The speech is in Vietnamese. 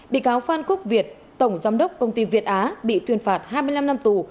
bị cáo phan quốc việt tổng giám đốc công ty việt á bị tuyên phạt hai mươi năm năm tù